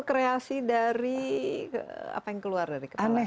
ini kreasi dari apa yang keluar dari kepala kita sendiri